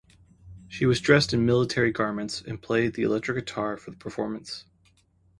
She was dressed in military garments and played the electric guitar for the performance.